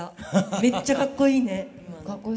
めっちゃかっこいいね今の。